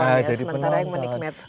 sementara yang menikmatinya investor